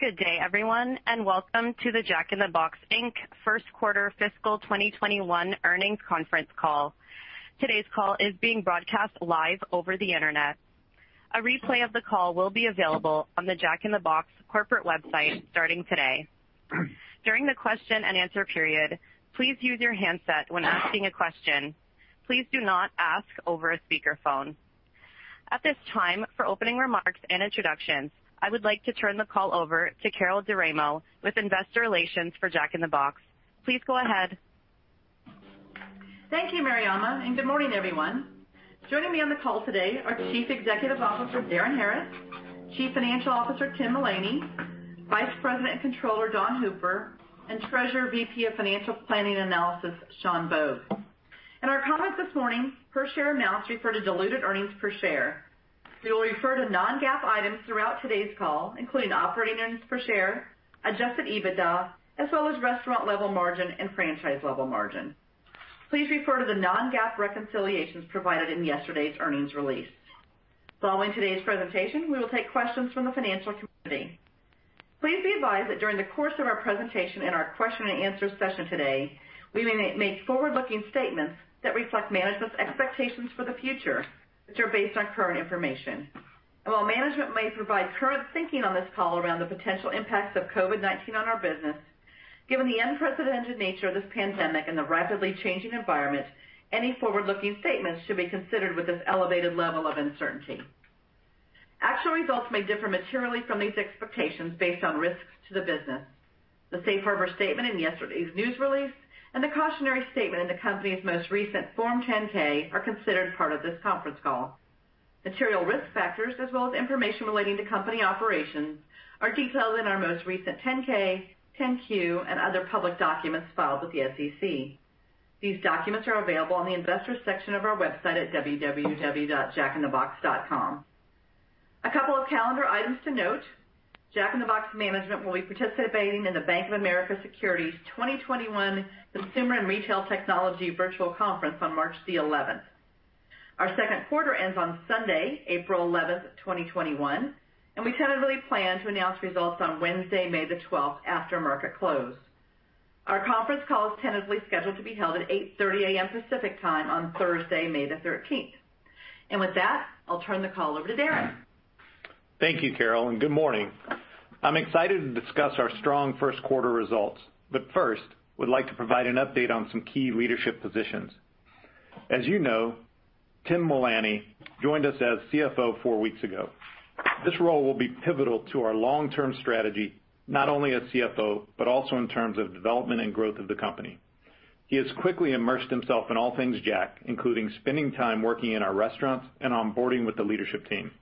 Good day, everyone. Welcome to the Jack in the Box Inc. first quarter fiscal 2021 earnings conference call. Today's call is being broadcast live over the internet. A replay of the call will be available on the Jack in the Box corporate website starting today. During the question and answer period, please use your handset when asking a question. Please do not ask over a speakerphone. At this time, for opening remarks and introductions, I would like to turn the call over to Carol DiRaimo with Investor Relations for Jack in the Box. Please go ahead. Thank you, Mariana, and good morning, everyone. Joining me on the call today are Chief Executive Officer, Darin Harris, Chief Financial Officer, Tim Mullany, Vice President and Controller, Dawn Hooper, and Treasurer, VP of Financial Planning Analysis, Sean Bogue. In our comments this morning, per share amounts refer to diluted earnings per share. We will refer to non-GAAP items throughout today's call, including operating earnings per share, adjusted EBITDA, as well as restaurant level margin and franchise level margin. Please refer to the non-GAAP reconciliations provided in yesterday's earnings release. Following today's presentation, we will take questions from the financial community. Please be advised that during the course of our presentation and our question and answer session today, we may make forward-looking statements that reflect management's expectations for the future, which are based on current information. While management may provide current thinking on this call around the potential impacts of COVID-19 on our business, given the unprecedented nature of this pandemic and the rapidly changing environment, any forward-looking statements should be considered with this elevated level of uncertainty. Actual results may differ materially from these expectations based on risks to the business. The Safe Harbor statement in yesterday's news release and the cautionary statement in the company's most recent Form 10-K are considered part of this conference call. Material risk factors as well as information relating to company operations are detailed in our most recent 10-K, 10-Q, and other public documents filed with the SEC. These documents are available on the investors section of our website at www.jackinthebox.com. A couple of calendar items to note. Jack in the Box management will be participating in the Bank of America Securities 2021 Consumer and Retail Technology Virtual Conference on March 11th. Our second quarter ends on Sunday, April 11th, 2021, and we tentatively plan to announce results on Wednesday, May 12th, after market close. Our conference call is tentatively scheduled to be held at 8:30 A.M. Pacific Time on Thursday, May 13th. With that, I'll turn the call over to Darin. Thank you, Carol, and good morning. I'm excited to discuss our strong first quarter results. First, would like to provide an update on some key leadership positions. As you know, Tim Mullany joined us as CFO four weeks ago. This role will be pivotal to our long-term strategy, not only as CFO, but also in terms of development and growth of the company. He has quickly immersed himself in all things Jack, including spending time working in our restaurants and onboarding with the leadership team.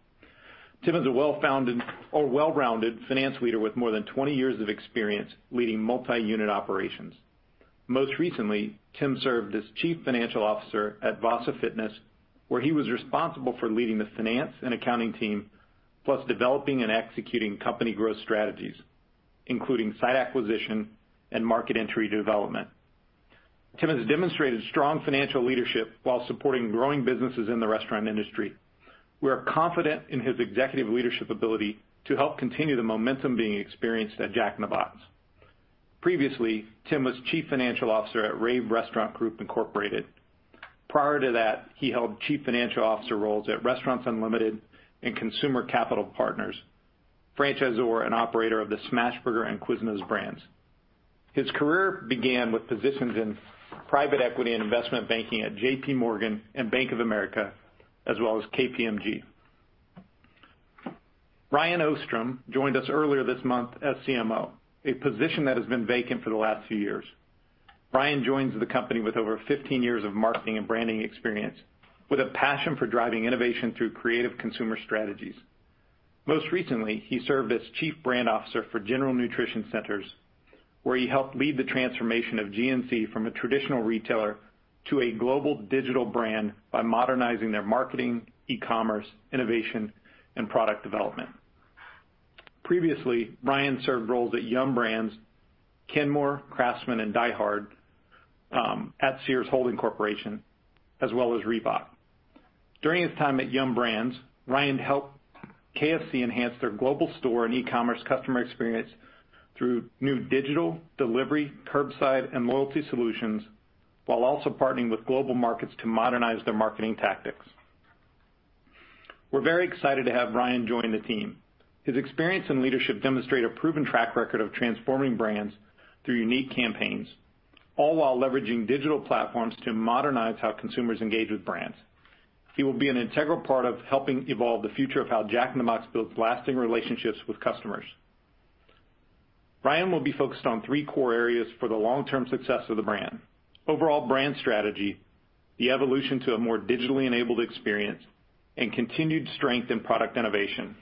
Tim is a well-rounded finance leader with more than 20 years of experience leading multi-unit operations. Most recently, Tim served as Chief Financial Officer at VASA Fitness, where he was responsible for leading the finance and accounting team, plus developing and executing company growth strategies, including site acquisition and market entry development. Tim has demonstrated strong financial leadership while supporting growing businesses in the restaurant industry. We are confident in his executive leadership ability to help continue the momentum being experienced at Jack in the Box. Previously, Tim was Chief Financial Officer at RAVE Restaurant Group, Incorporated. Prior to that, he held chief financial officer roles at Restaurants Unlimited and Consumer Capital Partners, franchisor and operator of the Smashburger and Quiznos brands. His career began with positions in private equity and investment banking at JPMorgan and Bank of America, as well as KPMG. Ryan Ostrom joined us earlier this month as CMO, a position that has been vacant for the last few years. Ryan joins the company with over 15 years of marketing and branding experience, with a passion for driving innovation through creative consumer strategies. Most recently, he served as Chief Brand Officer for General Nutrition Centers, where he helped lead the transformation of GNC from a traditional retailer to a global digital brand by modernizing their marketing, e-commerce, innovation, and product development. Previously, Ryan served roles at Yum! Brands, Kenmore, Craftsman, and DieHard, at Sears Holdings Corporation, as well as Reebok. During his time at Yum! Brands, Ryan helped KFC enhance their global store and e-commerce customer experience through new digital, delivery, curbside, and loyalty solutions, while also partnering with global markets to modernize their marketing tactics. We're very excited to have Ryan join the team. His experience and leadership demonstrate a proven track record of transforming brands through unique campaigns, all while leveraging digital platforms to modernize how consumers engage with brands. He will be an integral part of helping evolve the future of how Jack in the Box builds lasting relationships with customers. Ryan will be focused on three core areas for the long-term success of the brand: overall brand strategy, the evolution to a more digitally enabled experience, and continued strength in product innovation.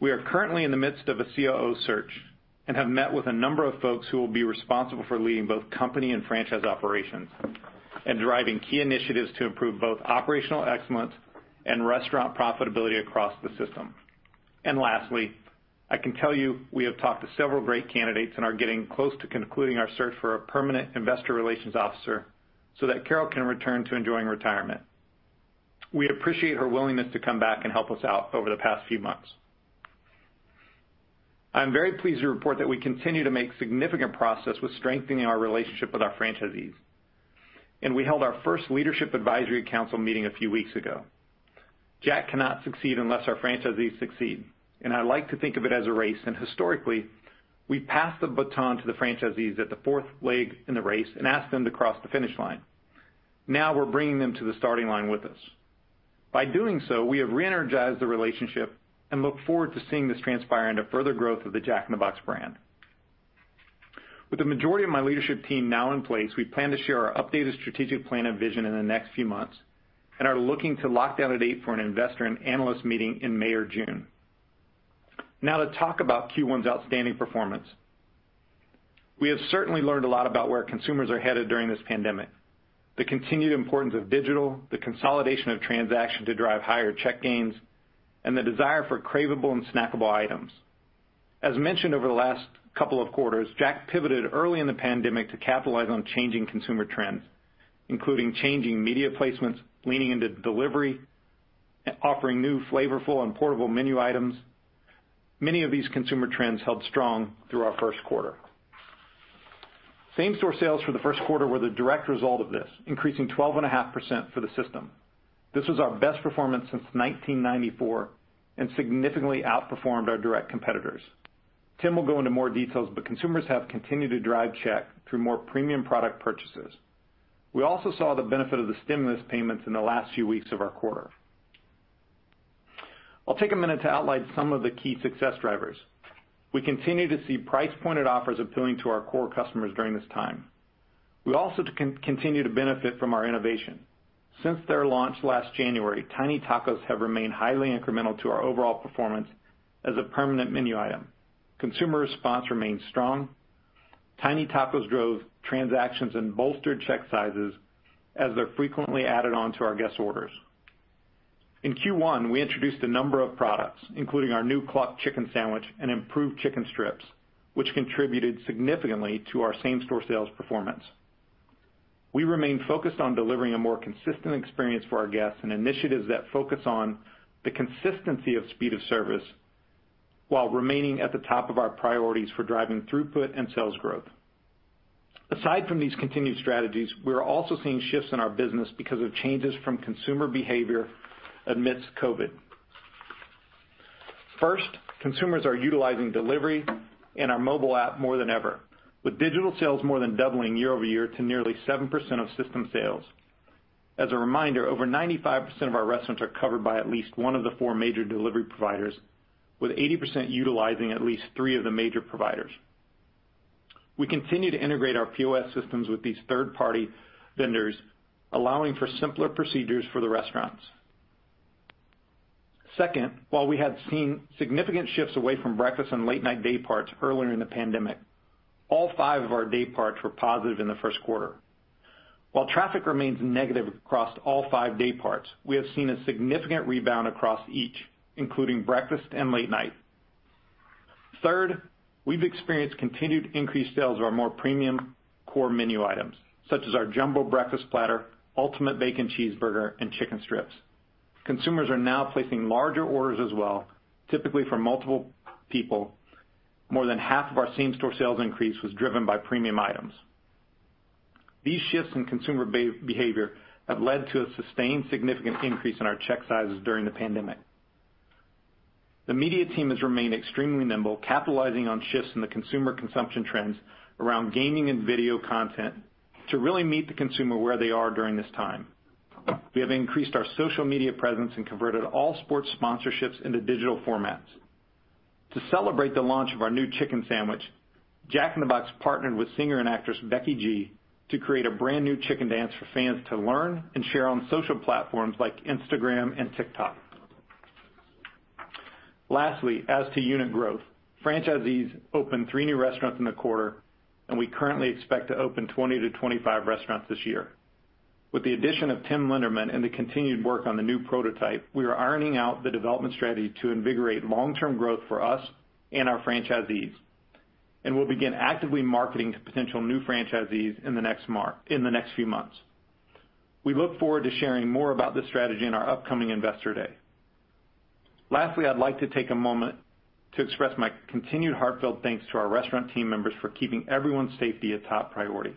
We are currently in the midst of a COO search and have met with a number of folks who will be responsible for leading both company and franchise operations and driving key initiatives to improve both operational excellence and restaurant profitability across the system. Lastly, I can tell you, we have talked to several great candidates and are getting close to concluding our search for a permanent Investor Relations Officer so that Carol can return to enjoying retirement. We appreciate her willingness to come back and help us out over the past few months. I'm very pleased to report that we continue to make significant progress with strengthening our relationship with our franchisees. We held our first leadership advisory council meeting a few weeks ago. Jack cannot succeed unless our franchisees succeed, and I like to think of it as a race. Historically, we passed the baton to the franchisees at the fourth leg in the race and asked them to cross the finish line. Now we're bringing them to the starting line with us. By doing so, we have re-energized the relationship and look forward to seeing this transpire into further growth of the Jack in the Box brand. With the majority of my leadership team now in place, we plan to share our updated strategic plan and vision in the next few months, and are looking to lock down a date for an investor and analyst meeting in May or June. Now to talk about Q1's outstanding performance. We have certainly learned a lot about where consumers are headed during this pandemic. The continued importance of digital, the consolidation of transaction to drive higher check gains, and the desire for craveable and snackable items. As mentioned over the last couple of quarters, Jack pivoted early in the pandemic to capitalize on changing consumer trends, including changing media placements, leaning into delivery, offering new flavorful and portable menu items. Many of these consumer trends held strong through our first quarter. Same-store sales for the first quarter were the direct result of this, increasing 12.5% for the system. This was our best performance since 1994, and significantly outperformed our direct competitors. Tim will go into more details, but consumers have continued to drive check through more premium product purchases. We also saw the benefit of the stimulus payments in the last few weeks of our quarter. I'll take a minute to outline some of the key success drivers. We continue to see price-pointed offers appealing to our core customers during this time. We also continue to benefit from our innovation. Since their launch last January, Tiny Tacos have remained highly incremental to our overall performance as a permanent menu item. Consumer response remains strong. Tiny Tacos drove transactions and bolstered check sizes as they're frequently added on to our guests' orders. In Q1, we introduced a number of products, including our new Cluck Sandwich and improved Chicken Strips, which contributed significantly to our same-store sales performance. We remain focused on delivering a more consistent experience for our guests and initiatives that focus on the consistency of speed of service while remaining at the top of our priorities for driving throughput and sales growth. Aside from these continued strategies, we're also seeing shifts in our business because of changes from consumer behavior amidst COVID-19. First, consumers are utilizing delivery and our mobile app more than ever, with digital sales more than doubling year-over-year to nearly 7% of system sales. As a reminder, over 95% of our restaurants are covered by at least one of the four major delivery providers, with 80% utilizing at least three of the major providers. We continue to integrate our POS systems with these third-party vendors, allowing for simpler procedures for the restaurants. Second, while we have seen significant shifts away from breakfast and late-night day parts earlier in the pandemic, all five of our day parts were positive in the first quarter. While traffic remains negative across all five-day parts, we have seen a significant rebound across each, including breakfast and late night. Third, we've experienced continued increased sales of our more premium core menu items, such as our Jumbo Breakfast Platter, Bacon Ultimate Cheeseburger, and Chicken Strips. Consumers are now placing larger orders as well, typically for multiple people. More than half of our same-store sales increase was driven by premium items. These shifts in consumer behavior have led to a sustained significant increase in our check sizes during the pandemic. The media team has remained extremely nimble, capitalizing on shifts in the consumer consumption trends around gaming and video content to really meet the consumer where they are during this time. We have increased our social media presence and converted all sports sponsorships into digital formats. To celebrate the launch of our new chicken sandwich, Jack in the Box partnered with singer and actress Becky G to create a brand-new chicken dance for fans to learn and share on social platforms like Instagram and TikTok. Lastly, as to unit growth, franchisees opened three new restaurants in the quarter, and we currently expect to open 20-25 restaurants this year. With the addition of Tim Linderman and the continued work on the new prototype, we are ironing out the development strategy to invigorate long-term growth for us and our franchisees. We'll begin actively marketing to potential new franchisees in the next few months. We look forward to sharing more about this strategy in our upcoming investor day. Lastly, I'd like to take a moment to express my continued heartfelt thanks to our restaurant team members for keeping everyone's safety a top priority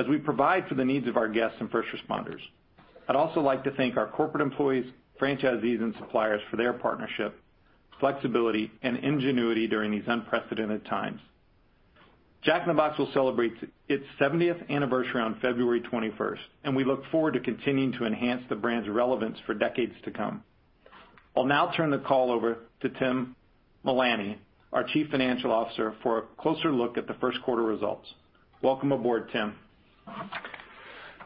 as we provide for the needs of our guests and first responders. I'd also like to thank our corporate employees, franchisees, and suppliers for their partnership, flexibility, and ingenuity during these unprecedented times. Jack in the Box will celebrate its 70th anniversary on February 21st, and we look forward to continuing to enhance the brand's relevance for decades to come. I'll now turn the call over to Tim Mullany, our Chief Financial Officer, for a closer look at the first quarter results. Welcome aboard, Tim.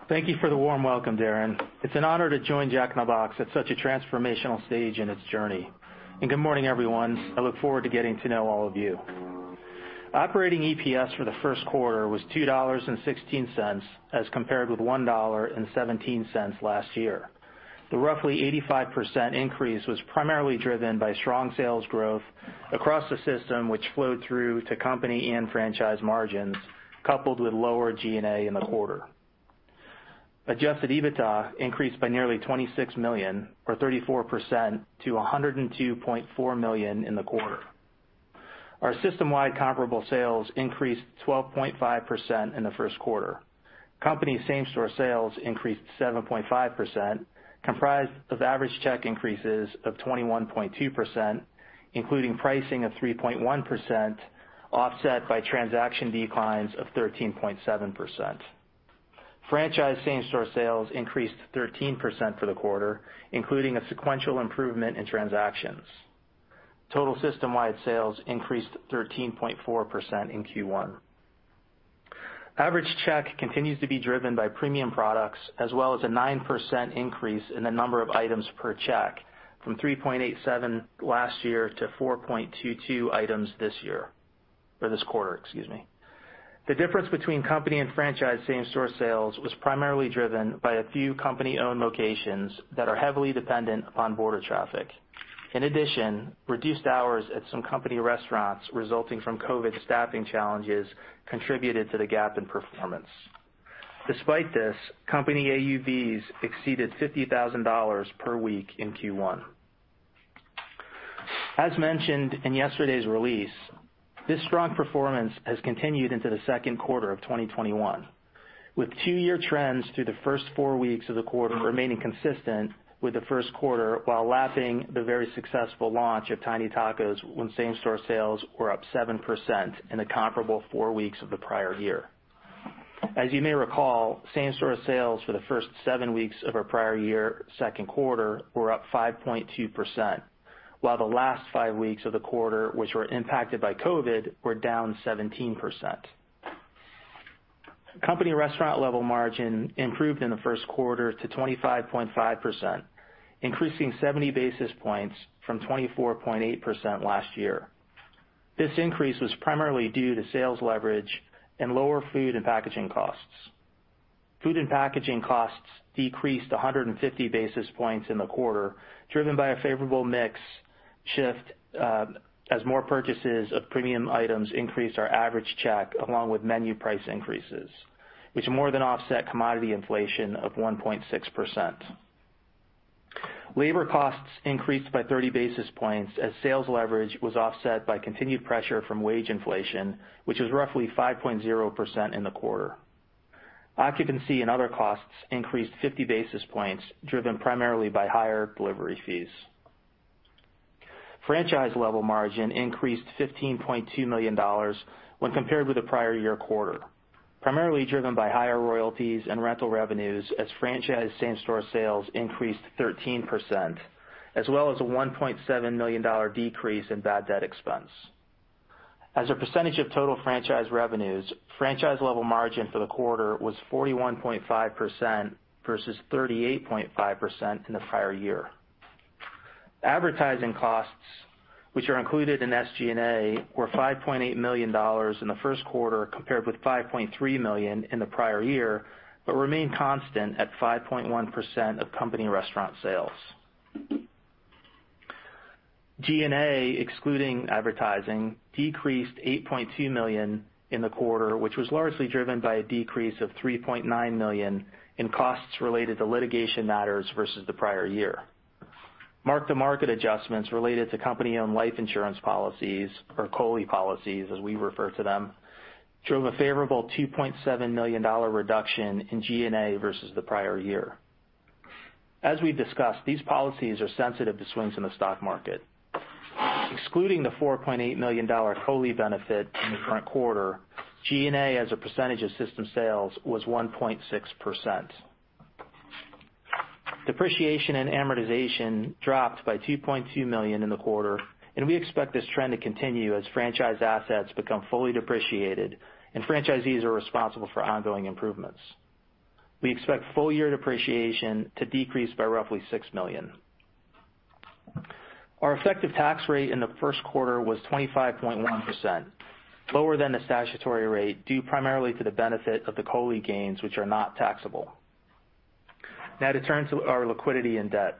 Thank you for the warm welcome, Darin. It's an honor to join Jack in the Box at such a transformational stage in its journey. Good morning, everyone. I look forward to getting to know all of you. Operating EPS for the first quarter was $2.16 as compared with $1.17 last year. The roughly 85% increase was primarily driven by strong sales growth across the system, which flowed through to company and franchise margins, coupled with lower G&A in the quarter. Adjusted EBITDA increased by nearly $26 million or 34% to $102.4 million in the quarter. Our system-wide comparable sales increased 12.5% in the first quarter. Company same-store sales increased 7.5%, comprised of average check increases of 21.2%, including pricing of 3.1%, offset by transaction declines of 13.7%. Franchise same-store sales increased 13% for the quarter, including a sequential improvement in transactions. Total system-wide sales increased 13.4% in Q1. Average check continues to be driven by premium products, as well as a 9% increase in the number of items per check from 3.87 last year to 4.22 items this year. For this quarter, excuse me. The difference between company and franchise same-store sales was primarily driven by a few company-owned locations that are heavily dependent upon border traffic. In addition, reduced hours at some company restaurants resulting from COVID-19 staffing challenges contributed to the gap in performance. Despite this, company AUVs exceeded $50,000 per week in Q1. As mentioned in yesterday's release, this strong performance has continued into the second quarter of 2021, with two-year trends through the first four weeks of the quarter remaining consistent with the first quarter, while lapping the very successful launch of Tiny Tacos when same-store sales were up 7% in the comparable four weeks of the prior year. As you may recall, same-store sales for the first seven weeks of our prior year second quarter were up 5.2%, while the last five weeks of the quarter, which were impacted by COVID-19, were down 17%. Company restaurant level margin improved in the first quarter to 25.5%, increasing 70 basis points from 24.8% last year. This increase was primarily due to sales leverage and lower food and packaging costs. Food and packaging costs decreased 150 basis points in the quarter, driven by a favorable mix shift, as more purchases of premium items increased our average check, along with menu price increases, which more than offset commodity inflation of 1.6%. Labor costs increased by 30 basis points as sales leverage was offset by continued pressure from wage inflation, which was roughly 5.0% in the quarter. Occupancy and other costs increased 50 basis points, driven primarily by higher delivery fees. Franchise level margin increased $15.2 million when compared with the prior year quarter, primarily driven by higher royalties and rental revenues as franchise same-store sales increased 13%, as well as a $1.7 million decrease in bad debt expense. As a percentage of total franchise revenues, franchise level margin for the quarter was 41.5% versus 38.5% in the prior year. Advertising costs, which are included in SG&A, were $5.8 million in the first quarter, compared with $5.3 million in the prior year, but remain constant at 5.1% of company restaurant sales. G&A, excluding advertising, decreased $8.2 million in the quarter, which was largely driven by a decrease of $3.9 million in costs related to litigation matters versus the prior year. Mark-to-market adjustments related to company-owned life insurance policies or COLI policies, as we refer to them, drove a favorable $2.7 million reduction in G&A versus the prior year. As we've discussed, these policies are sensitive to swings in the stock market. Excluding the $4.8 million COLI benefit in the current quarter, G&A as a percentage of system sales was 1.6%. Depreciation and amortization dropped by $2.2 million in the quarter. We expect this trend to continue as franchise assets become fully depreciated and franchisees are responsible for ongoing improvements. We expect full year depreciation to decrease by roughly $6 million. Our effective tax rate in the first quarter was 25.1%, lower than the statutory rate due primarily to the benefit of the COLI gains, which are not taxable. To turn to our liquidity and debt.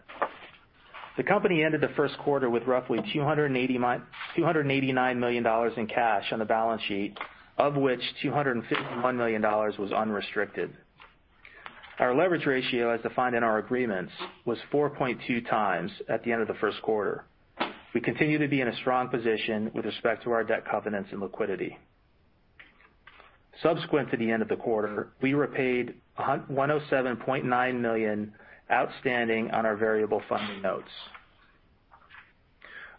The company ended the first quarter with roughly $289 million in cash on the balance sheet, of which $251 million was unrestricted. Our leverage ratio, as defined in our agreements, was 4.2x at the end of the first quarter. We continue to be in a strong position with respect to our debt covenants and liquidity. Subsequent to the end of the quarter, we repaid $107.9 million outstanding on our variable funding notes.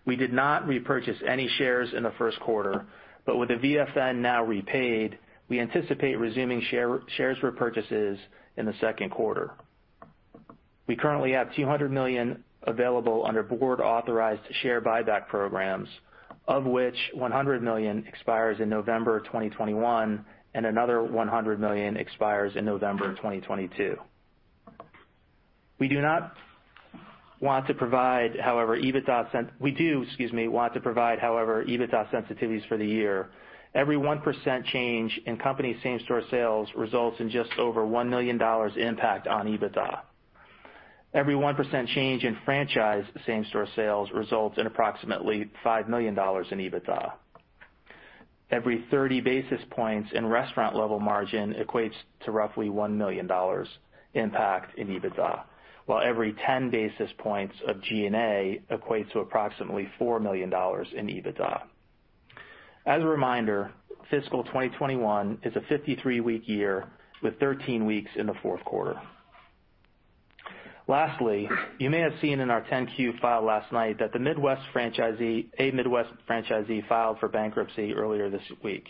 We did not repurchase any shares in the first quarter. With the VFN now repaid, we anticipate resuming shares repurchases in the second quarter. We currently have $200 million available under board authorized share buyback programs, of which $100 million expires in November 2021 and another $100 million expires in November 2022. We do want to provide, however, EBITDA sensitivities for the year. Every 1% change in company same-store sales results in just over $1 million impact on EBITDA. Every 1% change in franchise same-store sales results in approximately $5 million in EBITDA. Every 30 basis points in restaurant level margin equates to roughly $1 million impact in EBITDA, while every 10 basis points of G&A equates to approximately $4 million in EBITDA. As a reminder, fiscal 2021 is a 53-week year with 13 weeks in the fourth quarter. You may have seen in our 10-Q file last night that a Midwest franchisee filed for bankruptcy earlier this week.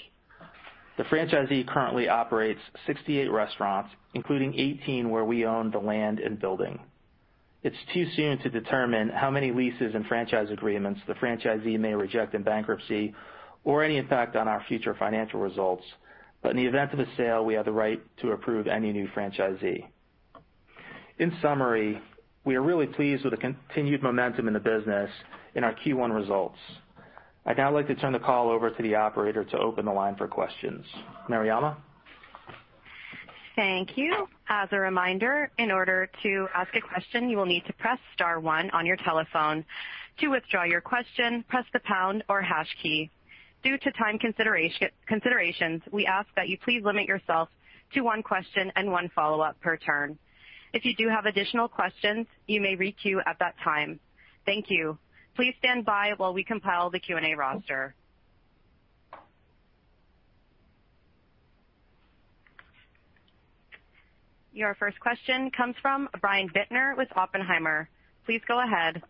The franchisee currently operates 68 restaurants, including 18 where we own the land and building. It's too soon to determine how many leases and franchise agreements the franchisee may reject in bankruptcy or any impact on our future financial results. In the event of a sale, we have the right to approve any new franchisee. In summary, we are really pleased with the continued momentum in the business in our Q1 results. I'd now like to turn the call over to the operator to open the line for questions. Mariana? Thank you. As a reminder, in order to ask a question, you will need to press star one on your telephone. To withdraw your question, press the pound or hash key. Due to time considerations, we ask that you please limit yourself to one question and one follow-up per turn. If you do have additional questions, you may re-queue at that time. Thank you. Please stand by while we compile the Q and A roster. Your first question comes from Brian Bittner with Oppenheimer. Please go ahead.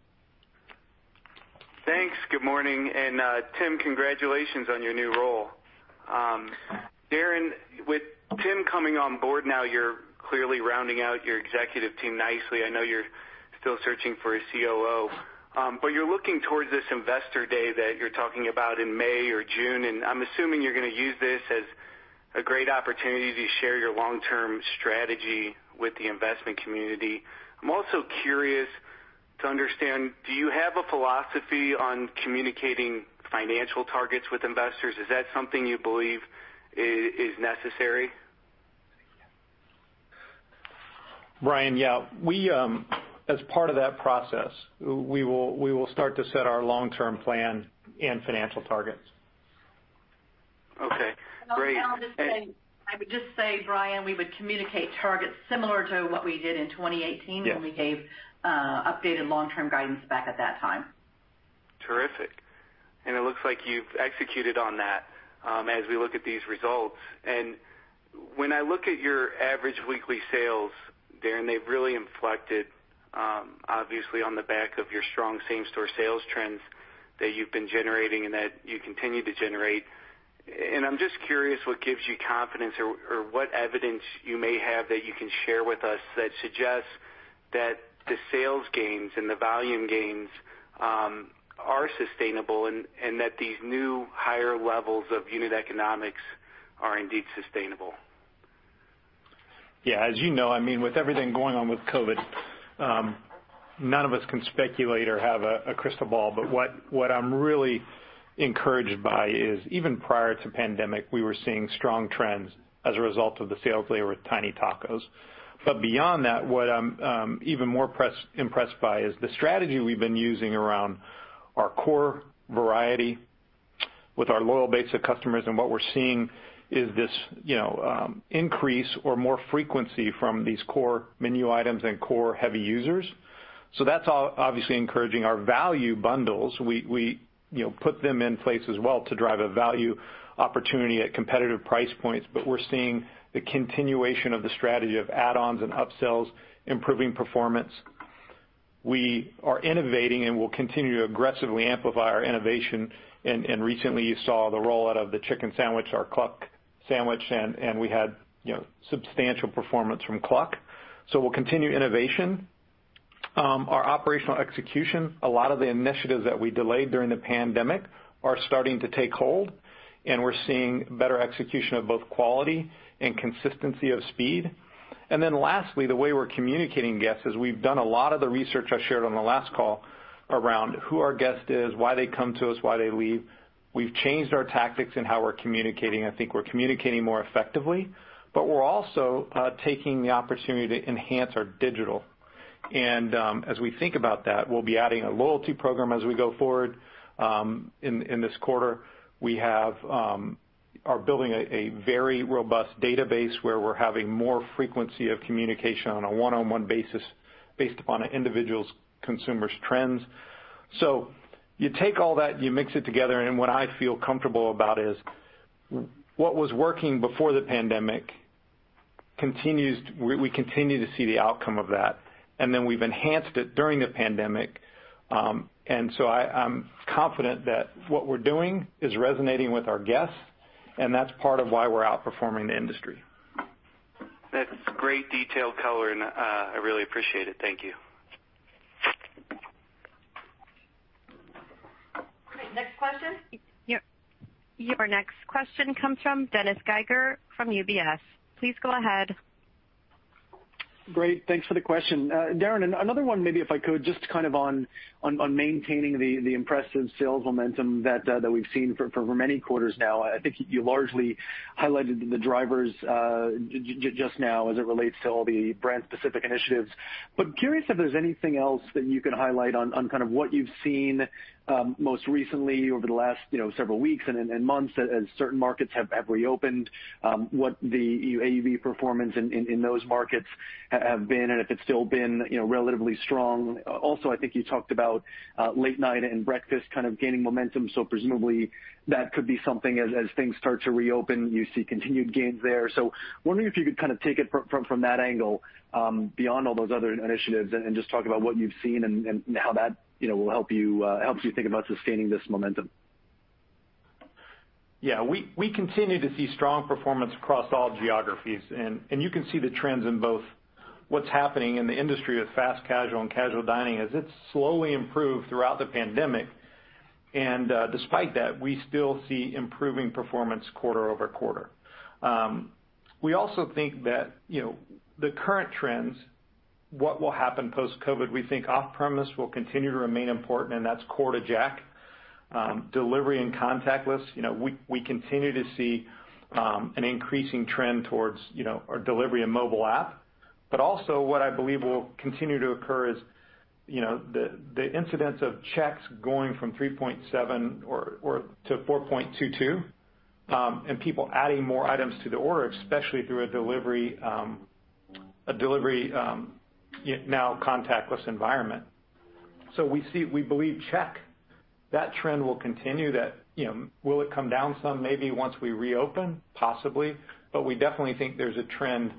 Thanks. Good morning. Tim, congratulations on your new role. Darin, with Tim coming on board now, you're clearly rounding out your executive team nicely. I know you're still searching for a COO, but you're looking towards this investor day that you're talking about in May or June. I'm assuming you're going to use this as a great opportunity to share your long-term strategy with the investment community. I'm also curious to understand, do you have a philosophy on communicating financial targets with investors? Is that something you believe is necessary? Brian, yeah. As part of that process, we will start to set our long-term plan and financial targets. Okay, great. I would just say, Brian, we would communicate targets similar to what we did in 2018. Yeah. When we gave updated long-term guidance back at that time. Terrific. It looks like you've executed on that as we look at these results. When I look at your average weekly sales, Darin, they've really inflected, obviously, on the back of your strong same-store sales trends that you've been generating and that you continue to generate. I'm just curious what gives you confidence or what evidence you may have that you can share with us that suggests that the sales gains and the volume gains are sustainable and that these new higher levels of unit economics are indeed sustainable. Yeah. As you know, with everything going on with COVID-19, none of us can speculate or have a crystal ball. What I'm really encouraged by is even prior to pandemic, we were seeing strong trends as a result of the sales layer with Tiny Tacos. Beyond that, what I'm even more impressed by is the strategy we've been using around our core variety with our loyal base of customers. What we're seeing is this increase or more frequency from these core menu items and core heavy users. That's obviously encouraging. Our value bundles, we put them in place as well to drive a value opportunity at competitive price points, but we're seeing the continuation of the strategy of add-ons and up-sells improving performance. We are innovating and will continue to aggressively amplify our innovation. Recently you saw the rollout of the chicken sandwich, our Cluck Sandwich, and we had substantial performance from Cluck. We'll continue innovation. Our operational execution, a lot of the initiatives that we delayed during the pandemic are starting to take hold, and we're seeing better execution of both quality and consistency of speed. Lastly, the way we're communicating guests is we've done a lot of the research I shared on the last call around who our guest is, why they come to us, why they leave. We've changed our tactics in how we're communicating. I think we're communicating more effectively, but we're also taking the opportunity to enhance our digital. As we think about that, we'll be adding a loyalty program as we go forward in this quarter. We are building a very robust database where we're having more frequency of communication on a one-on-one basis based upon an individual consumer's trends. You take all that and you mix it together, and what I feel comfortable about is what was working before the pandemic, we continue to see the outcome of that. We've enhanced it during the pandemic. I'm confident that what we're doing is resonating with our guests, and that's part of why we're outperforming the industry. That's great detail, color, and I really appreciate it. Thank you. Great. Next question? Your next question comes from Dennis Geiger from UBS. Please go ahead. Great. Thanks for the question. Darin, another one, maybe if I could, just on maintaining the impressive sales momentum that we've seen for many quarters now. I think you largely highlighted the drivers just now as it relates to all the brand specific initiatives. Curious if there's anything else that you can highlight on what you've seen most recently over the last several weeks and months as certain markets have reopened, what the AUV performance in those markets have been, and if it's still been relatively strong. I think you talked about late night and breakfast gaining momentum, presumably that could be something, as things start to reopen, you see continued gains there. Wondering if you could take it from that angle, beyond all those other initiatives, and just talk about what you've seen and how that helps you think about sustaining this momentum. We continue to see strong performance across all geographies. You can see the trends in both what's happening in the industry with fast-casual and casual dining as it's slowly improved throughout the pandemic, and despite that, we still see improving performance quarter-over-quarter. We also think that the current trends, what will happen post-COVID, we think off-premise will continue to remain important, and that's core to Jack. Delivery and contactless. We continue to see an increasing trend towards our delivery and mobile app. Also what I believe will continue to occur is the incidence of checks going from 3.7 to 4.22, and people adding more items to the order, especially through a delivery now contactless environment. We believe check, that trend will continue. Will it come down some maybe once we reopen? Possibly. We definitely think there's a trend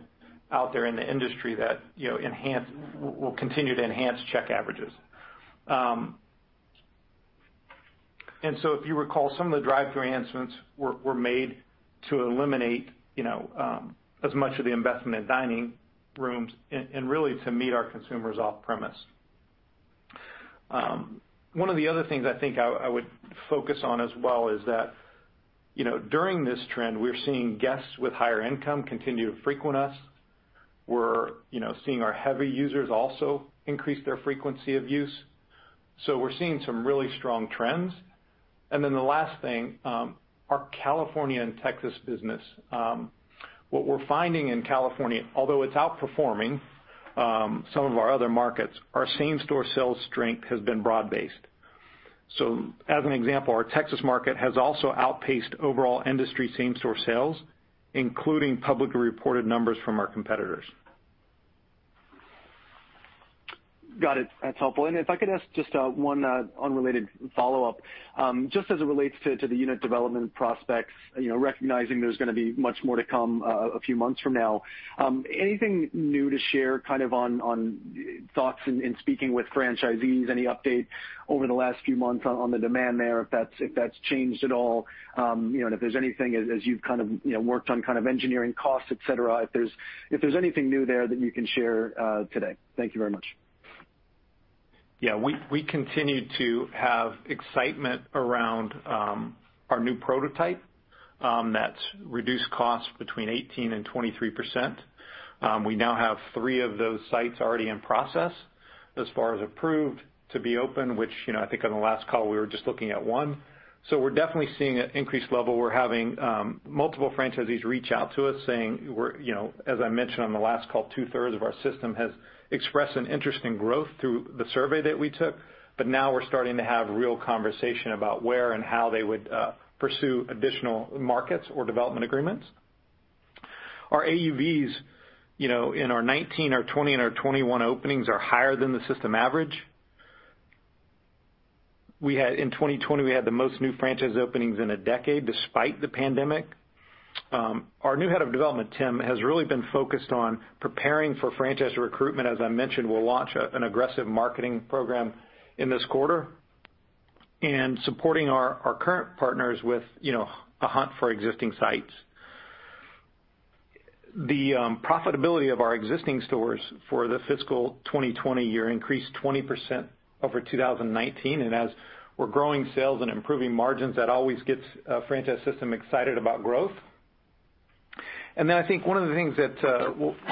out there in the industry that will continue to enhance check averages. If you recall, some of the drive-through enhancements were made to eliminate as much of the investment in dining rooms and really to meet our consumers off-premise. One of the other things I think I would focus on as well is that during this trend, we're seeing guests with higher income continue to frequent us. We're seeing our heavy users also increase their frequency of use. We're seeing some really strong trends. The last thing, our California and Texas business. What we're finding in California, although it's outperforming some of our other markets, our same store sales strength has been broad-based. As an example, our Texas market has also outpaced overall industry same store sales, including publicly reported numbers from our competitors. Got it. That's helpful. If I could ask just one unrelated follow-up. Just as it relates to the unit development prospects, recognizing there's going to be much more to come a few months from now. Anything new to share on thoughts in speaking with franchisees? Any update over the last few months on the demand there, if that's changed at all, and if there's anything as you've worked on engineering costs, et cetera, if there's anything new there that you can share today. Thank you very much. Yeah. We continue to have excitement around our new prototype that's reduced costs between 18% and 23%. We now have three of those sites already in process as far as approved to be open, which I think on the last call, we were just looking at one. We're definitely seeing an increased level. We're having multiple franchisees reach out to us saying, as I mentioned on the last call, two-thirds of our system has expressed an interest in growth through the survey that we took, now we're starting to have real conversation about where and how they would pursue additional markets or development agreements. Our AUVs in our 2019, our 2020, and our 2021 openings are higher than the system average. In 2020, we had the most new franchise openings in a decade, despite the pandemic. Our new Head of Development, Tim, has really been focused on preparing for franchise recruitment. As I mentioned, we'll launch an aggressive marketing program in this quarter and supporting our current partners with a hunt for existing sites. The profitability of our existing stores for the fiscal 2020 year increased 20% over 2019, and as we're growing sales and improving margins, that always gets a franchise system excited about growth. I think one of the things that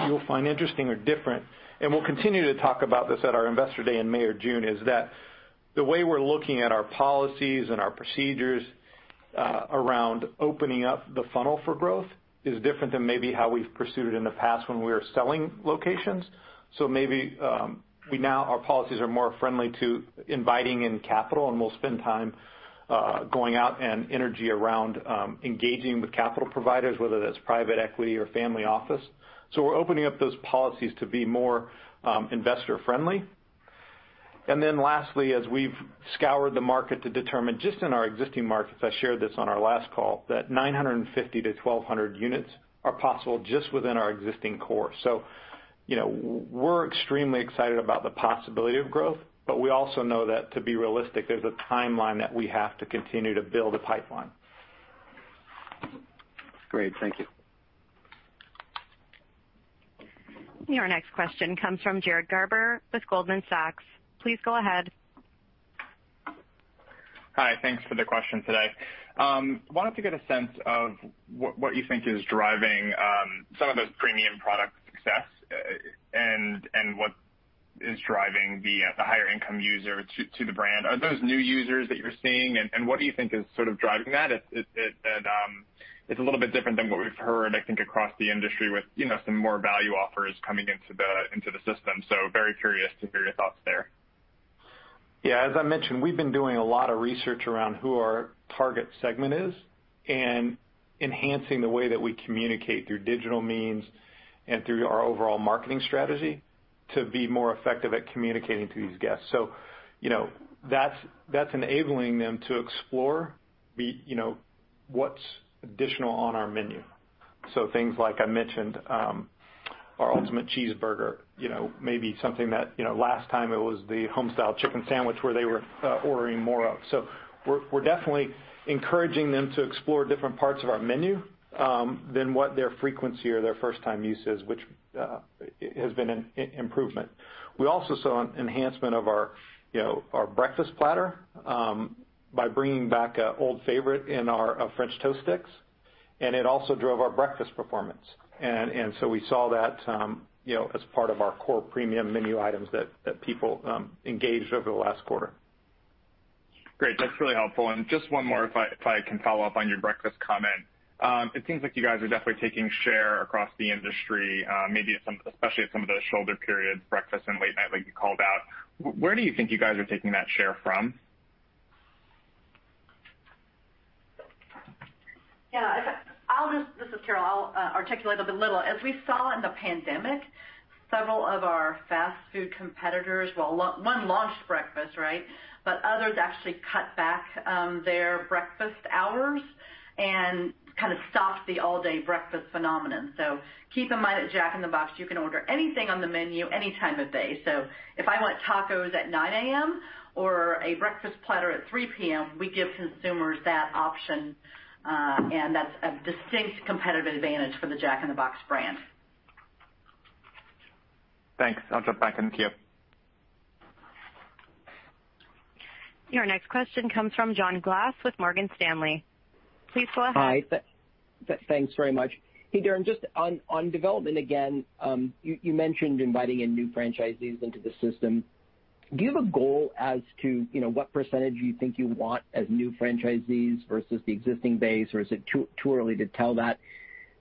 you'll find interesting or different, and we'll continue to talk about this at our investor day in May or June, is that the way we're looking at our policies and our procedures around opening up the funnel for growth is different than maybe how we've pursued it in the past when we were selling locations. Maybe our policies are more friendly to inviting in capital, and we'll spend time going out and energy around engaging with capital providers, whether that's private equity or family office. We're opening up those policies to be more investor friendly. Lastly, as we've scoured the market to determine just in our existing markets, I shared this on our last call, that 950-1,200 units are possible just within our existing core. We're extremely excited about the possibility of growth, but we also know that to be realistic, there's a timeline that we have to continue to build a pipeline. Great. Thank you. Your next question comes from Jared Garber with Goldman Sachs. Please go ahead. Hi. Thanks for the question today. Wanted to get a sense of what you think is driving some of those premium product success and what is driving the higher income user to the brand. Are those new users that you're seeing, and what do you think is sort of driving that? It's a little bit different than what we've heard, I think, across the industry with some more value offers coming into the system. Very curious to hear your thoughts there. As I mentioned, we've been doing a lot of research around who our target segment is and enhancing the way that we communicate through digital means and through our overall marketing strategy to be more effective at communicating to these guests. That's enabling them to explore what's additional on our menu. Things like I mentioned, our Ultimate Cheeseburger, maybe something that last time it was the Homestyle Chicken Sandwich where they were ordering more of. We're definitely encouraging them to explore different parts of our menu than what their frequency or their first time use is, which has been an improvement. We also saw an enhancement of our breakfast platter by bringing back an old favorite in our French Toast Sticks, and it also drove our breakfast performance. We saw that as part of our core premium menu items that people engaged over the last quarter. Great. That's really helpful. Just one more, if I can follow up on your breakfast comment. It seems like you guys are definitely taking share across the industry, maybe especially at some of those shoulder periods, breakfast and late night, like you called out. Where do you think you guys are taking that share from? This is Carol. I'll articulate a little bit. As we saw in the pandemic, several of our fast food competitors, well, one launched breakfast. Others actually cut back their breakfast hours and kind of stopped the all-day breakfast phenomenon. Keep in mind, at Jack in the Box, you can order anything on the menu any time of day. If I want tacos at 9:00 A.M. or a breakfast platter at 3:00 P.M., we give consumers that option. That's a distinct competitive advantage for the Jack in the Box brand. Thanks. I'll drop back into queue. Your next question comes from John Glass with Morgan Stanley. Please go ahead. Hi. Thanks very much. Hey, Darin, just on development again, you mentioned inviting in new franchisees into the system. Do you have a goal as to what percentage you think you want as new franchisees versus the existing base, or is it too early to tell that?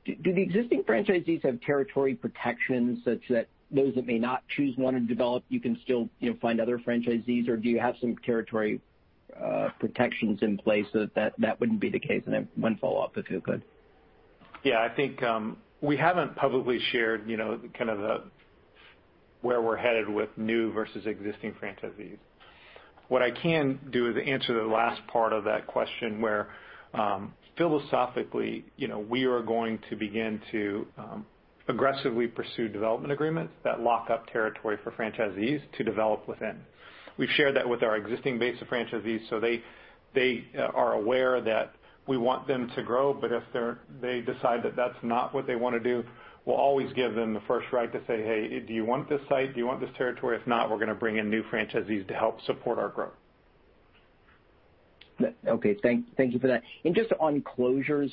Do the existing franchisees have territory protections such that those that may not choose one and develop, you can still find other franchisees, or do you have some territory protections in place so that wouldn't be the case? One follow-up if you could. Yeah, I think we haven't publicly shared where we're headed with new versus existing franchisees. What I can do is answer the last part of that question, where philosophically we are going to begin to aggressively pursue development agreements that lock up territory for franchisees to develop within. We've shared that with our existing base of franchisees, so they are aware that we want them to grow. If they decide that that's not what they want to do, we'll always give them the first right to say, "Hey, do you want this site? Do you want this territory? If not, we're going to bring in new franchisees to help support our growth. Okay. Thank you for that. Just on closures,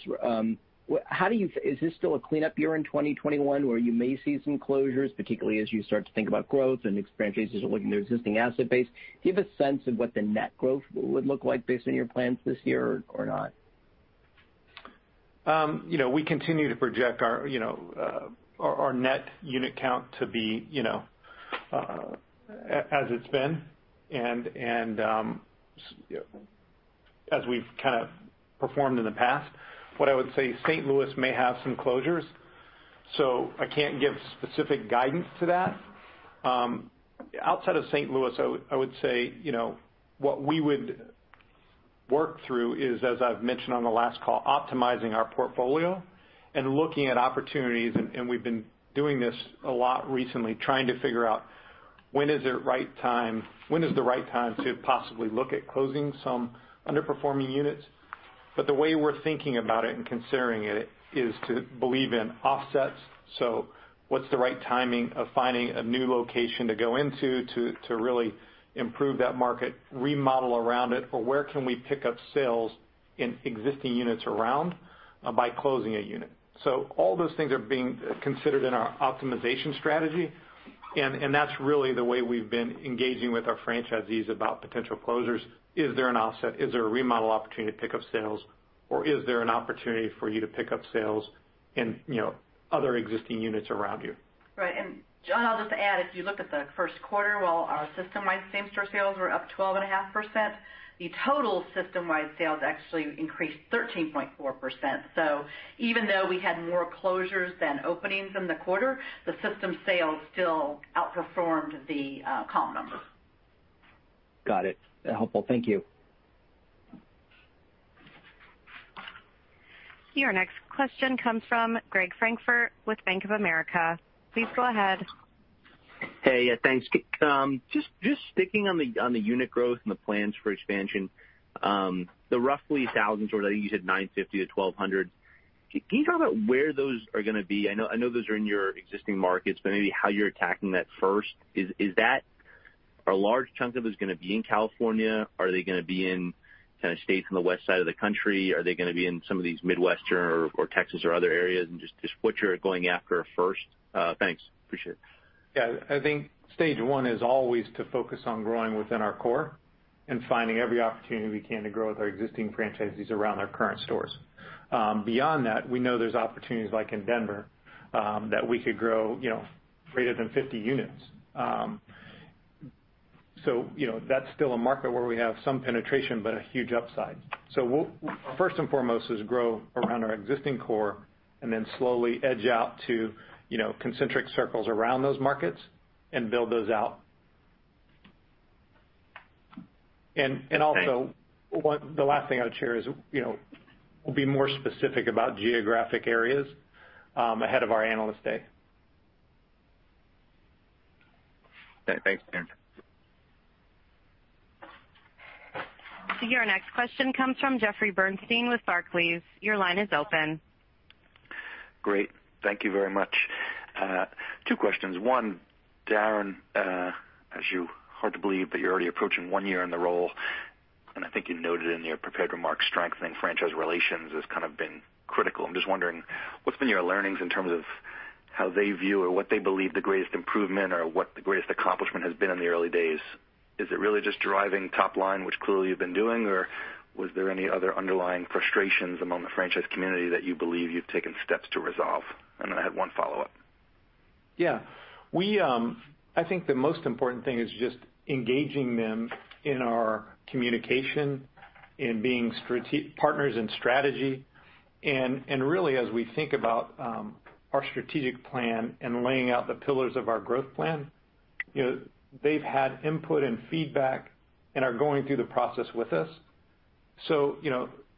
is this still a cleanup year in 2021 where you may see some closures, particularly as you start to think about growth and existing franchisees are looking at their existing asset base? Do you have a sense of what the net growth would look like based on your plans this year or not? We continue to project our net unit count to be as it's been and as we've kind of performed in the past. I would say, St. Louis may have some closures, so I can't give specific guidance to that. Outside of St. Louis, I would say what we would work through is, as I've mentioned on the last call, optimizing our portfolio and looking at opportunities, and we've been doing this a lot recently, trying to figure out when is the right time to possibly look at closing some underperforming units. The way we're thinking about it and considering it is to believe in offsets. What's the right timing of finding a new location to go into to really improve that market, remodel around it, or where can we pick up sales in existing units around by closing a unit? All those things are being considered in our optimization strategy, and that's really the way we've been engaging with our franchisees about potential closures. Is there an offset? Is there a remodel opportunity to pick up sales, or is there an opportunity for you to pick up sales in other existing units around you? Right. John, I'll just add, if you look at the first quarter, while our systemwide same-store sales were up 12.5%, the total systemwide sales actually increased 13.4%. Even though we had more closures than openings in the quarter, the system sales still outperformed the comp numbers. Got it. Helpful. Thank you. Your next question comes from Greg Francfort with Bank of America. Please go ahead. Thanks. Just sticking on the unit growth and the plans for expansion, the roughly thousands order, you said 950-1,200. Can you talk about where those are going to be? I know those are in your existing markets. Maybe how you're attacking that first. Is a large chunk of it going to be in California? Are they going to be in states on the west side of the country? Are they going to be in some of these Midwestern or Texas or other areas? Just what you're going after first. Thanks. Appreciate it. I think stage one is always to focus on growing within our core and finding every opportunity we can to grow with our existing franchisees around our current stores. Beyond that, we know there's opportunities like in Denver, that we could grow greater than 50 units. That's still a market where we have some penetration but a huge upside. First and foremost is grow around our existing core then slowly edge out to concentric circles around those markets and build those out. Thanks. The last thing I would share is, we'll be more specific about geographic areas ahead of our Analyst Day. Okay. Thanks, Darin. Your next question comes from Jeffrey Bernstein with Barclays. Your line is open. Great. Thank you very much. Two questions. One, Darin, hard to believe that you're already approaching one year in the role. I think you noted in your prepared remarks, strengthening franchise relations has been critical. I'm just wondering, what's been your learnings in terms of how they view or what they believe the greatest improvement or what the greatest accomplishment has been in the early days? Is it really just driving top line, which clearly you've been doing, or was there any other underlying frustrations among the franchise community that you believe you've taken steps to resolve? Then I have one follow-up. I think the most important thing is just engaging them in our communication and being partners in strategy, and really, as we think about our strategic plan and laying out the pillars of our growth plan, they've had input and feedback and are going through the process with us.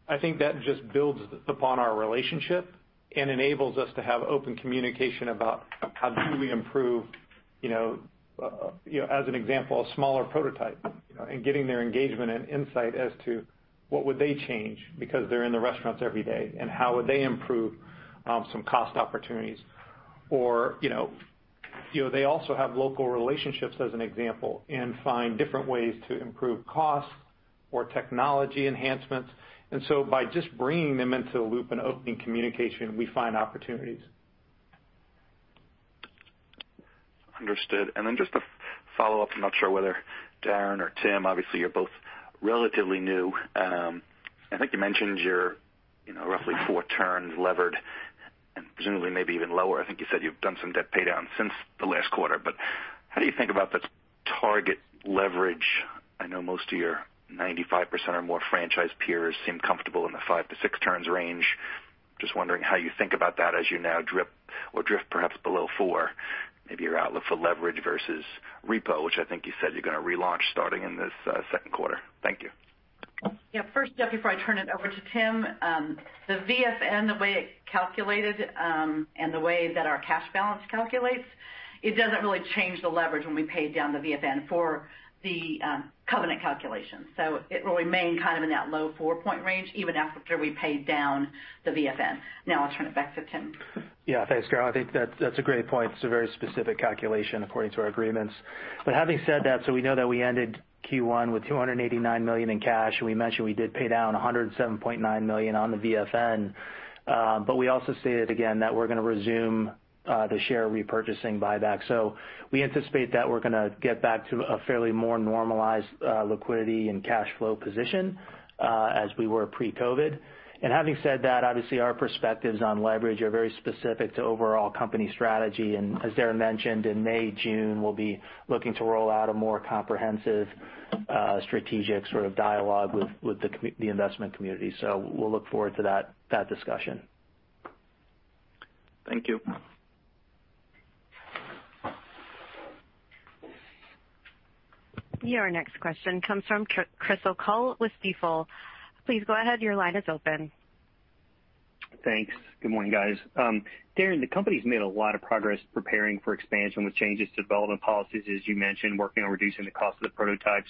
I think that just builds upon our relationship and enables us to have open communication about how do we improve, as an example, a smaller prototype, and getting their engagement and insight as to what would they change because they're in the restaurants every day, and how would they improve some cost opportunities. They also have local relationships, as an example, and find different ways to improve costs or technology enhancements. By just bringing them into the loop and opening communication, we find opportunities. Understood. Just a follow-up. I'm not sure whether, Darin or Tim, obviously you're both relatively new. I think you mentioned you're roughly four turns levered and presumably maybe even lower. I think you said you've done some debt pay down since the last quarter. How do you think about the target leverage? I know most of your 95% or more franchise peers seem comfortable in the five to six turns range. Just wondering how you think about that as you now drip or drift perhaps below four. Maybe your outlook for leverage versus repo, which I think you said you're going to relaunch starting in this second quarter. Thank you. Yeah. First, Jeff, before I turn it over to Tim, the VFN, the way it calculated, and the way that our cash balance calculates, it doesn't really change the leverage when we pay down the VFN for the covenant calculation. It will remain in that low four-point range even after we pay down the VFN. Now I'll turn it back to Tim. Yeah. Thanks, Carol. I think that's a great point. It's a very specific calculation according to our agreements. Having said that, we know that we ended Q1 with $289 million in cash, and we mentioned we did pay down $107.9 million on the VFN. We also stated again that we're going to resume the share repurchasing buyback. We anticipate that we're going to get back to a fairly more normalized liquidity and cash flow position as we were pre-COVID-19. Having said that, obviously our perspectives on leverage are very specific to overall company strategy, and as Darin mentioned, in May, June, we'll be looking to roll out a more comprehensive, strategic sort of dialogue with the investment community. We'll look forward to that discussion. Thank you. Your next question comes from Chris O'Cull with Stifel. Please go ahead, your line is open. Thanks. Good morning, guys. Darin, the company's made a lot of progress preparing for expansion with changes to development policies, as you mentioned, working on reducing the cost of the prototype.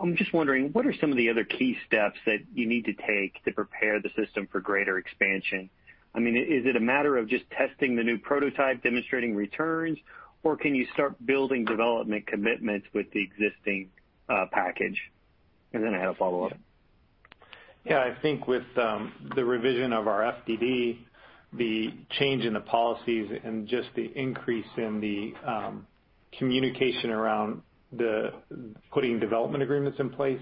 I'm just wondering, what are some of the other key steps that you need to take to prepare the system for greater expansion? Is it a matter of just testing the new prototype, demonstrating returns, or can you start building development commitments with the existing package? I have a follow-up. Yeah, I think with the revision of our FDD, the change in the policies, and just the increase in the communication around putting development agreements in place,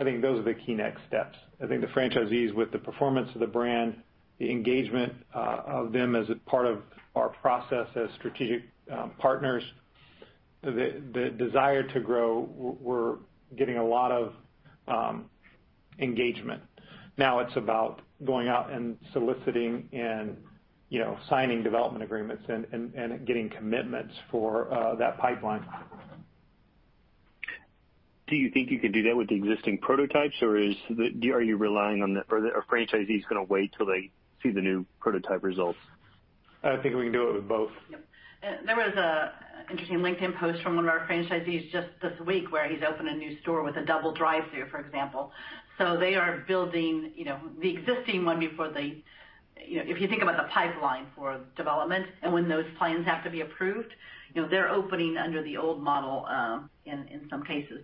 I think those are the key next steps. I think the franchisees, with the performance of the brand, the engagement of them as a part of our process as strategic partners, the desire to grow, we're getting a lot of engagement. Now it's about going out and soliciting and signing development agreements and getting commitments for that pipeline. Do you think you can do that with the existing prototypes, or are franchisees going to wait till they see the new prototype results? I think we can do it with both. Yep. There was an interesting LinkedIn post from one of our franchisees just this week where he's opened a new store with a double drive-through, for example. They are building the existing one before they If you think about the pipeline for development and when those plans have to be approved, they're opening under the old model in some cases.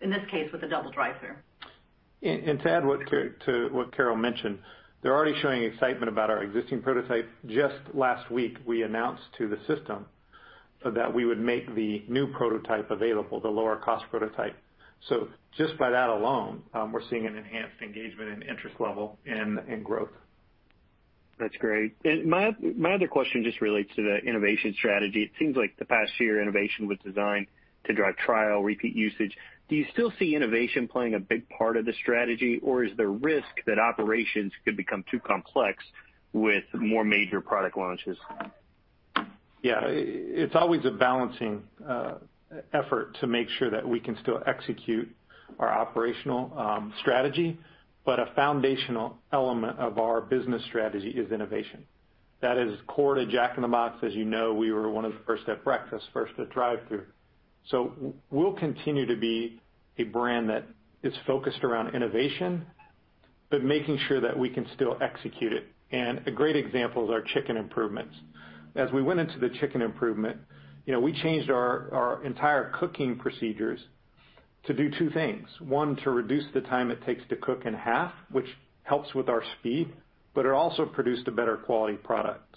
In this case, with a double drive-through. To add to what Carol mentioned, they're already showing excitement about our existing prototype. Just last week, we announced to the system that we would make the new prototype available, the lower cost prototype. Just by that alone, we're seeing an enhanced engagement and interest level in growth. That's great. My other question just relates to the innovation strategy. It seems like the past year, innovation was designed to drive trial, repeat usage. Do you still see innovation playing a big part of the strategy, or is there risk that operations could become too complex with more major product launches? Yeah. It's always a balancing effort to make sure that we can still execute our operational strategy, a foundational element of our business strategy is innovation. That is core to Jack in the Box. As you know, we were one of the first to have breakfast, first to drive-through. We'll continue to be a brand that is focused around innovation, but making sure that we can still execute it. A great example is our Chicken improvements. As we went into the Chicken improvement, we changed our entire cooking procedures to do two things. One, to reduce the time it takes to cook in half, which helps with our speed, but it also produced a better quality product.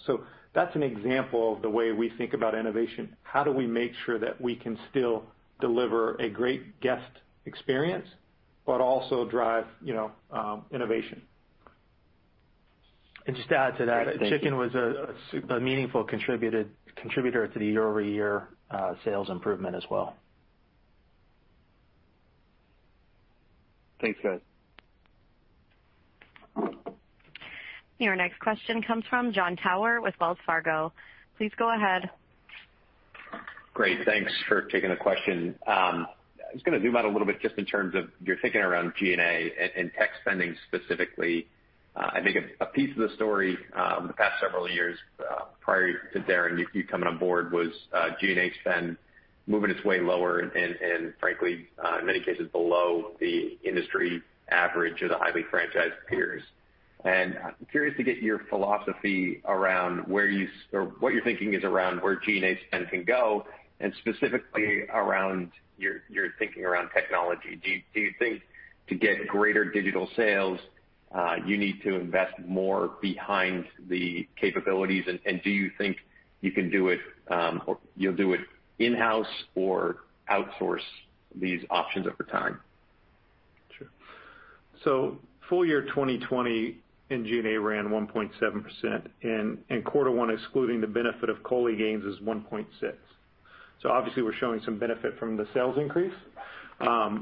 That's an example of the way we think about innovation. How do we make sure that we can still deliver a great guest experience, but also drive innovation? Just to add to that, Chicken was a meaningful contributor to the year-over-year sales improvement as well. Thanks, guys. Your next question comes from Jon Tower with Wells Fargo. Please go ahead. Great. Thanks for taking the question. I was going to zoom out a little bit just in terms of your thinking around G&A and tech spending specifically. I think a piece of the story, the past several years, prior to, Darin, you coming on board, was G&A spend moving its way lower and frankly, in many cases below the industry average of the highly franchised peers. I'm curious to get your philosophy around what your thinking is around where G&A spend can go, and specifically around your thinking around technology. Do you think to get greater digital sales, you need to invest more behind the capabilities, and do you think you'll do it in-house or outsource these options over time? Sure. Full year 2020 in G&A ran 1.7%, and quarter one, excluding the benefit of COLI gains, is 1.6%. Obviously we're showing some benefit from the sales increase. I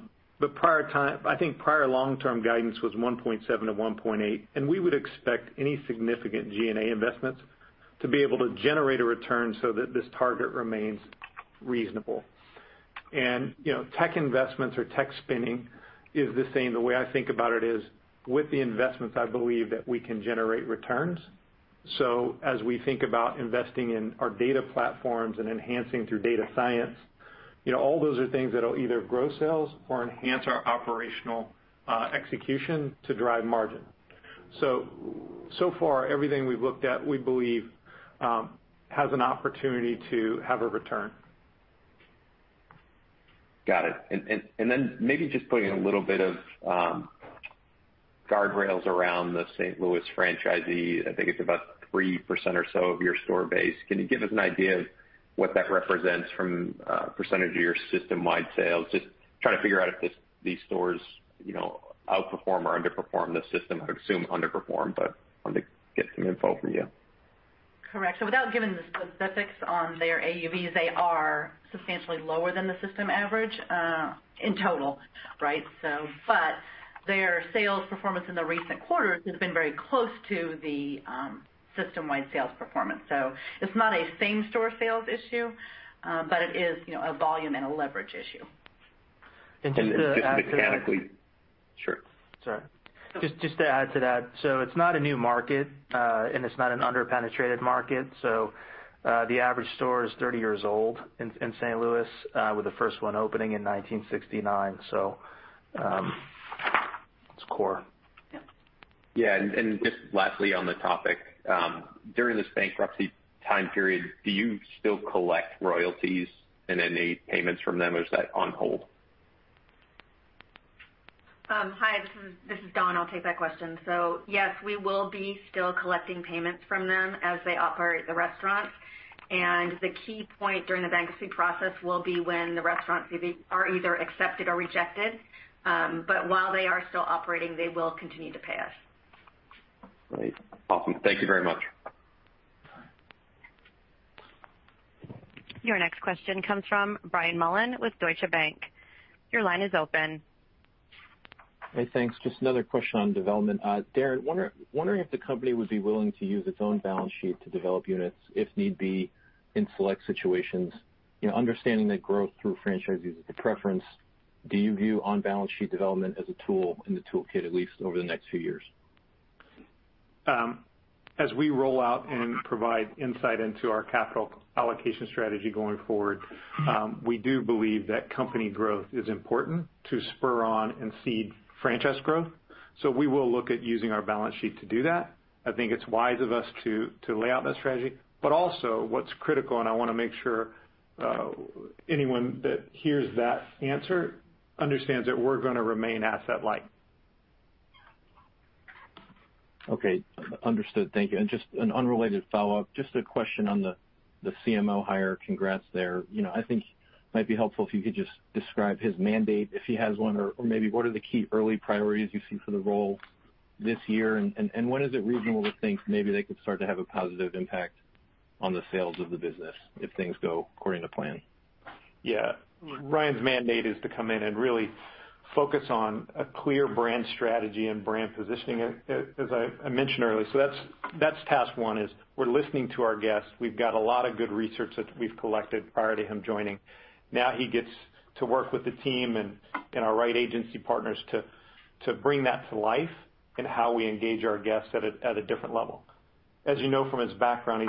think prior long-term guidance was 1.7%-1.8%, and we would expect any significant G&A investments to be able to generate a return so that this target remains reasonable. Tech investments or tech spending is the same. The way I think about it is with the investments, I believe that we can generate returns. As we think about investing in our data platforms and enhancing through data science, all those are things that'll either grow sales or enhance our operational execution to drive margin. So far everything we've looked at, we believe, has an opportunity to have a return. Got it. Maybe just putting a little bit of guardrails around the St. Louis franchisee. I think it's about 3% or so of your store base. Can you give us an idea of what that represents from a percentage of your system-wide sales? Just trying to figure out if these stores outperform or underperform the system. I would assume underperform, wanted to get some info from you. Correct. Without giving the specifics on their AUVs, they are substantially lower than the system average, in total. Right? Their sales performance in the recent quarters has been very close to the system-wide sales performance. It's not a same-store sales issue, but it is a volume and a leverage issue. Just to add to that. Just lastly. Sure. Sorry. Just to add to that, it's not a new market, and it's not an under-penetrated market. The average store is 30 years old in St. Louis, with the first one opening in 1969. It's core. Yep. Yeah, just lastly on the topic, during this bankruptcy time period, do you still collect royalties and any payments from them, or is that on hold? Hi, this is Dawn. I'll take that question. Yes, we will be still collecting payments from them as they operate the restaurants. The key point during the bankruptcy process will be when the restaurants are either accepted or rejected. While they are still operating, they will continue to pay us. Great. Awesome. Thank you very much. Your next question comes from Brian Mullan with Deutsche Bank. Your line is open. Hey, thanks. Just another question on development. Darin, wondering if the company would be willing to use its own balance sheet to develop units if need be in select situations, understanding that growth through franchisees is the preference. Do you view on-balance sheet development as a tool in the toolkit, at least over the next few years? As we roll out and provide insight into our capital allocation strategy going forward, we do believe that company growth is important to spur on and seed franchise growth. We will look at using our balance sheet to do that. I think it's wise of us to lay out that strategy, but also what's critical, and I want to make sure anyone that hears that answer understands that we're going to remain asset light. Okay. Understood. Thank you. Just an unrelated follow-up, just a question on the CMO hire. Congrats there. I think it might be helpful if you could just describe his mandate, if he has one, or maybe what are the key early priorities you see for the role this year, and when is it reasonable to think maybe they could start to have a positive impact on the sales of the business if things go according to plan? Yeah. Ryan's mandate is to come in and really focus on a clear brand strategy and brand positioning, as I mentioned earlier. That's task one, is we're listening to our guests. We've got a lot of good research that we've collected prior to him joining. Now he gets to work with the team and our right agency partners to bring that to life and how we engage our guests at a different level. As you know from his background,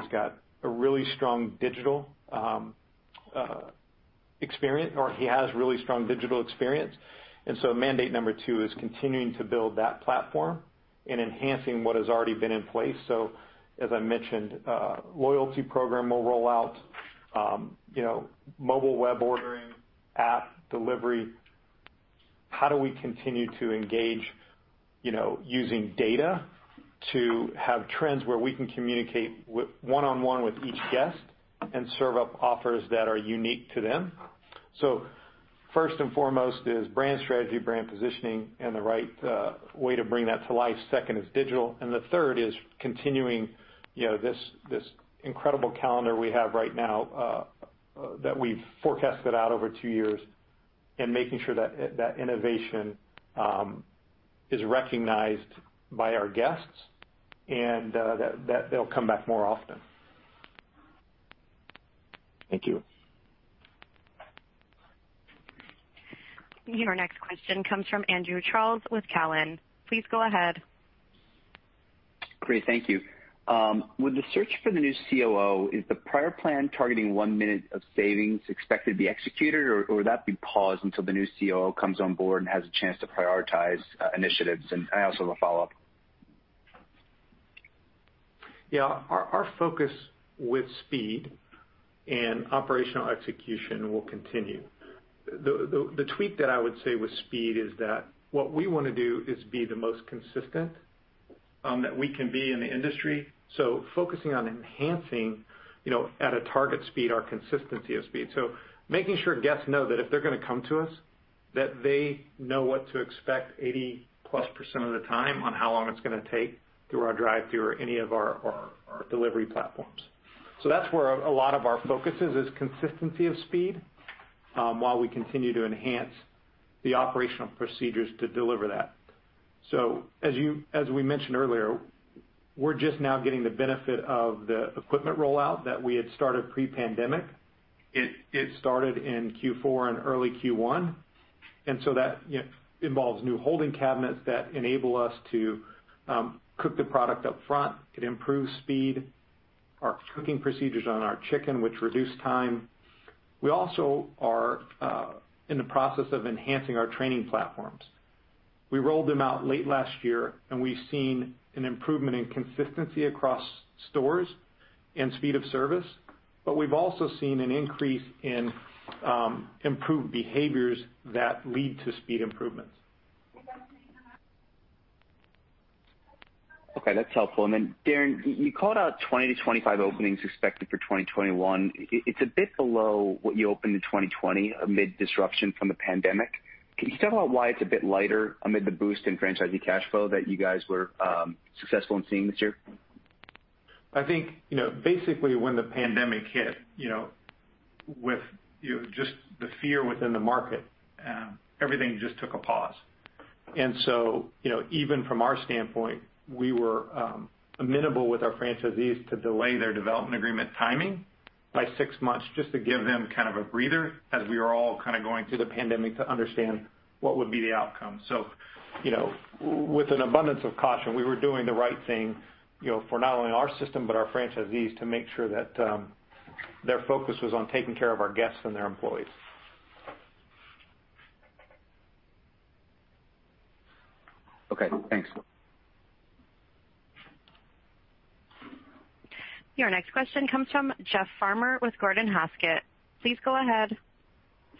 he has really strong digital experience. Mandate number two is continuing to build that platform and enhancing what has already been in place. As I mentioned, loyalty program will roll out, mobile web ordering, app, delivery. How do we continue to engage using data to have trends where we can communicate one-on-one with each guest and serve up offers that are unique to them? First and foremost is brand strategy, brand positioning, and the right way to bring that to life. Second is digital, and the third is continuing this incredible calendar we have right now, that we've forecasted out over two years, and making sure that that innovation is recognized by our guests and that they'll come back more often. Thank you. Your next question comes from Andrew Charles with Cowen. Please go ahead. Great. Thank you. With the search for the new COO, is the prior plan targeting $1 million of savings expected to be executed, or would that be paused until the new COO comes on board and has a chance to prioritize initiatives? I also have a follow-up. Yeah. Our focus with speed and operational execution will continue. The tweak that I would say with speed is that what we want to do is be the most consistent that we can be in the industry. Focusing on enhancing, at a target speed, our consistency of speed. Making sure guests know that if they're going to come to us, that they know what to expect 80+% of the time on how long it's going to take through our drive-through or any of our delivery platforms. That's where a lot of our focus is consistency of speed, while we continue to enhance the operational procedures to deliver that. As we mentioned earlier, we're just now getting the benefit of the equipment rollout that we had started pre-pandemic. It started in Q4 and early Q1, and so that involves new holding cabinets that enable us to cook the product up front. It improves speed. Our cooking procedures on our chicken, which reduce time. We also are in the process of enhancing our training platforms. We rolled them out late last year, and we've seen an improvement in consistency across stores and speed of service, but we've also seen an increase in improved behaviors that lead to speed improvements. Okay. That's helpful. Darn, you called out 20-25 openings expected for 2021. It's a bit below what you opened in 2020 amid disruption from the pandemic. Can you talk about why it's a bit lighter amid the boost in franchisee cash flow that you guys were successful in seeing this year? I think, basically when the pandemic hit, with just the fear within the market, everything just took a pause. Even from our standpoint, we were amenable with our franchisees to delay their development agreement timing by six months just to give them kind of a breather as we were all kind of going through the pandemic to understand what would be the outcome. With an abundance of caution, we were doing the right thing, for not only our system, but our franchisees, to make sure that their focus was on taking care of our guests and their employees. Okay, thanks. Your next question comes from Jeff Farmer with Gordon Haskett. Please go ahead.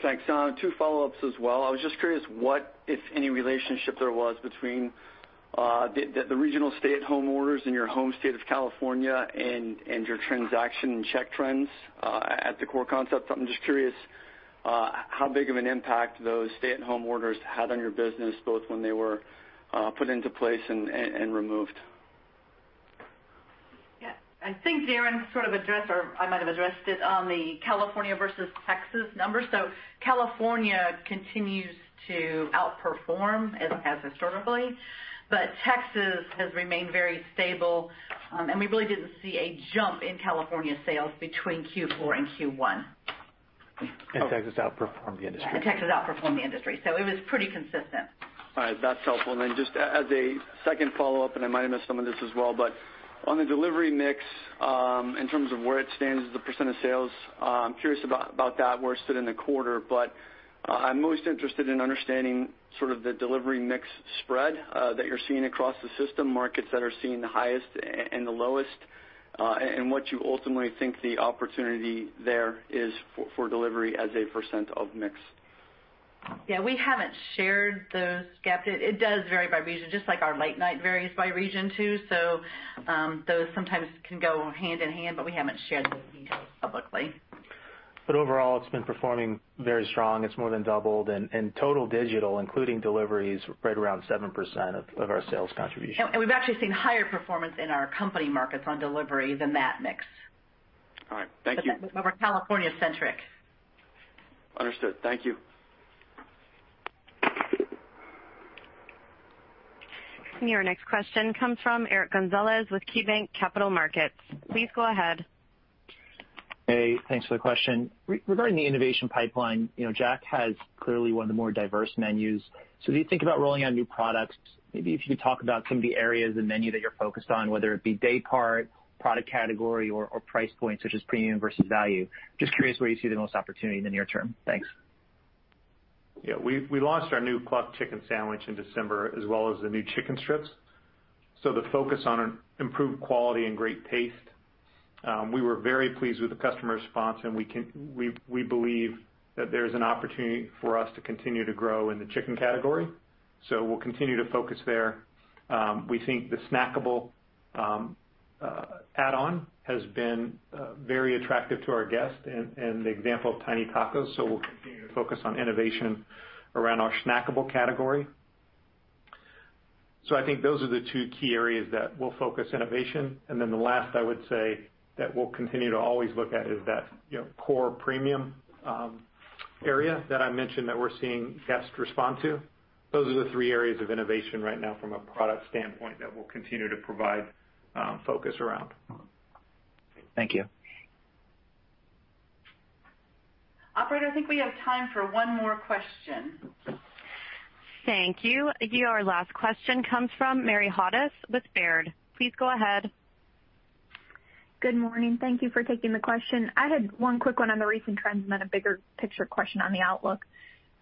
Thanks. Two follow-ups as well. I was just curious what, if any, relationship there was between the regional stay-at-home orders in your home state of California and your transaction and check trends at the core concept. I'm just curious how big of an impact those stay-at-home orders had on your business, both when they were put into place and removed. Yeah. I think Darin sort of addressed, or I might have addressed it on the California versus Texas numbers. California continues to outperform as it has historically, but Texas has remained very stable, and we really didn't see a jump in California sales between Q4 and Q1. Texas outperformed the industry. Yeah, Texas outperformed the industry, so it was pretty consistent. All right. That's helpful. Just as a second follow-up, I might have missed some of this as well, on the delivery mix, in terms of where it stands as a percent of sales, I'm curious about that, where it stood in the quarter. I'm most interested in understanding sort of the delivery mix spread that you're seeing across the system, markets that are seeing the highest and the lowest, what you ultimately think the opportunity there is for delivery as a percent of mix. Yeah. We haven't shared those gaps. It does vary by region, just like our late night varies by region, too. Those sometimes can go hand-in-hand, but we haven't shared those details publicly. Overall, it's been performing very strong. It's more than doubled. Total digital, including delivery, is right around 7% of our sales contribution. We've actually seen higher performance in our company markets on delivery than that mix. All right. Thank you. We're California-centric. Understood. Thank you. Your next question comes from Eric Gonzalez with KeyBanc Capital Markets. Please go ahead. Hey, thanks for the question. Regarding the innovation pipeline, Jack has clearly one of the more diverse menus. As you think about rolling out new products, maybe if you could talk about some of the areas of the menu that you're focused on, whether it be day part, product category, or price points such as premium versus value. Just curious where you see the most opportunity in the near term. Thanks. Yeah. We launched our new Cluck Sandwich in December as well as the new Chicken Strips. The focus on improved quality and great taste. We were very pleased with the customer response, and we believe that there's an opportunity for us to continue to grow in the Chicken category. We'll continue to focus there. We think the snackable add-on has been very attractive to our guests, and the example of Tiny Tacos. We'll continue to focus on innovation around our snackable category. I think those are the two key areas that we'll focus innovation. Then the last I would say that we'll continue to always look at is that core premium area that I mentioned that we're seeing guests respond to. Those are the three areas of innovation right now from a product standpoint that we'll continue to provide focus around. Thank you. Operator, I think we have time for one more question. Thank you. Our last question comes from Mary Hodes with Baird. Please go ahead. Good morning. Thank you for taking the question. I had one quick one on the recent trends and then a bigger picture question on the outlook.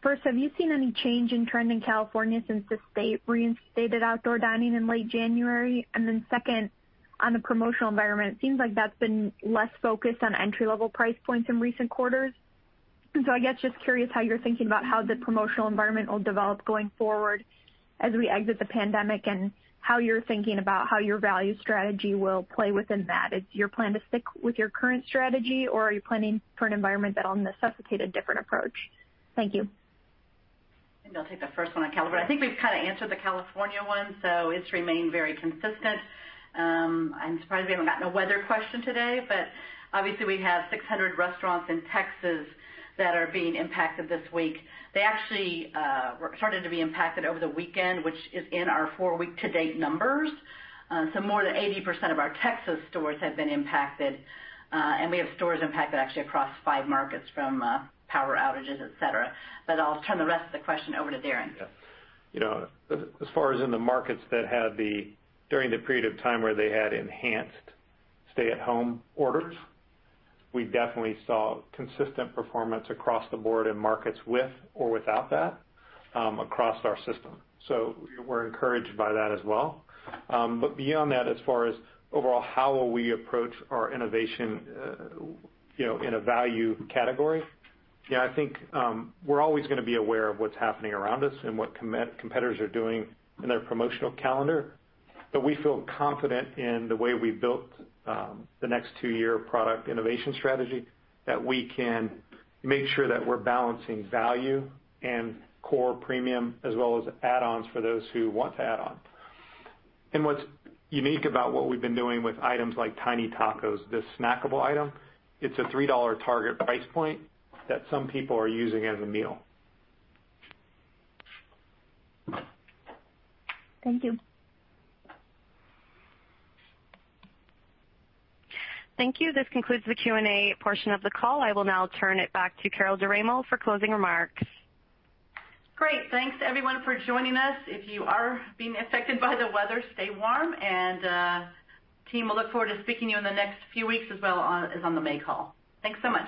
First, have you seen any change in trend in California since the state reinstated outdoor dining in late January? Second, on the promotional environment, it seems like that's been less focused on entry-level price points in recent quarters. I guess just curious how you're thinking about how the promotional environment will develop going forward as we exit the pandemic, and how you're thinking about how your value strategy will play within that. Is your plan to stick with your current strategy, or are you planning for an environment that will necessitate a different approach? Thank you. Maybe I'll take the first one on California. I think we've kind of answered the California one. It's remained very consistent. I'm surprised we haven't gotten a weather question today. Obviously we have 600 restaurants in Texas that are being impacted this week. They actually started to be impacted over the weekend, which is in our four-week to-date numbers. More than 80% of our Texas stores have been impacted. We have stores impacted actually across five markets from power outages, et cetera. I'll turn the rest of the question over to Darin. Yeah. As far as in the markets that had the, during the period of time where they had enhanced stay-at-home orders, we definitely saw consistent performance across the board in markets with or without that across our system. We're encouraged by that as well. Beyond that, as far as overall how will we approach our innovation in a value category? Yeah, I think we're always going to be aware of what's happening around us and what competitors are doing in their promotional calendar. We feel confident in the way we built the next two-year product innovation strategy, that we can make sure that we're balancing value and core premium as well as add-ons for those who want add-on. What's unique about what we've been doing with items like Tiny Tacos, this snackable item, it's a $3 target price point that some people are using as a meal. Thank you. Thank you. This concludes the Q and A portion of the call. I will now turn it back to Carol DiRaimo for closing remarks. Great. Thanks everyone for joining us. If you are being affected by the weather, stay warm. Team, we'll look forward to speaking to you in the next few weeks as well as on the May call. Thanks so much.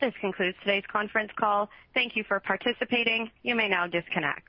This concludes today's conference call. Thank you for participating. You may now disconnect.